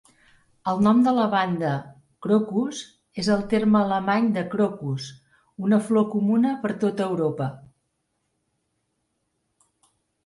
El nom de la banda, "Krokus" és el terme alemany de crocus, una flor comuna per tota Europa.